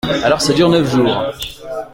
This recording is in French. Alors ça dure neuf jours !